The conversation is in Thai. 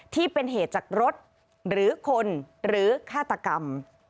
ที่เป็นเหตุจากรถหรือคนหรือฆาตกรรม